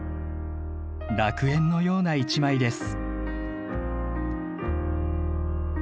楽園のような一枚です。